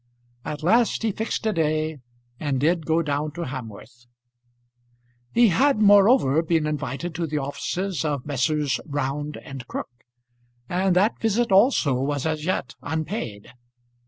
At last he fixed a day and did go down to Hamworth. He had, moreover, been invited to the offices of Messrs. Round and Crook, and that visit also was as yet unpaid.